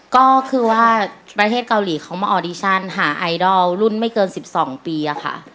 ก็คือว่าประเทศเกาหลีเขามาออดิชั่นหาไอดอลรุ่นไม่เกิน๑๒ปีค่ะ